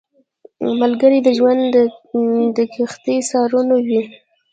ملګری د ژوند د کښتۍ سارنوی وي